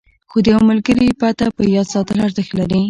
خو د یوه ملګري پته په یاد ساتل ارزښت لري.